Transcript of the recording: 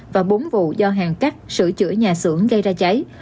và bốn vụ do hàng cắt sửa chữa nhà xưởng gây ra cháy